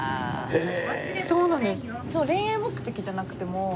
へえ。